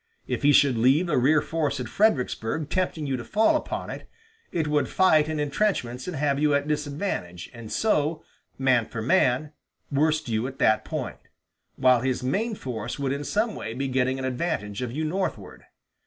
If he should leave a rear force at Fredericksburg tempting you to fall upon it, it would fight in intrenchments and have you at disadvantage, and so, man for man, worst you at that point, while his main force would in some way be getting an advantage of you northward.